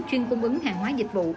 chuyên cung ứng hàng hóa dịch vụ